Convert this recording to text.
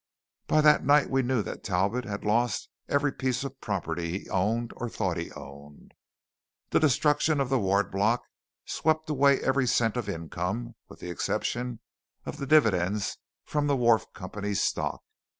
By that night we knew that Talbot had lost every piece of property he owned or thought he owned. The destruction of the Ward Block swept away every cent of income, with the exception of the dividends from the Wharf Company stock.